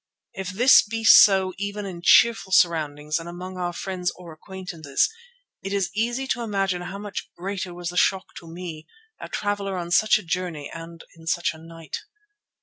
If this be so even in cheerful surroundings and among our friends or acquaintances, it is easy to imagine how much greater was the shock to me, a traveller on such a journey and in such a night.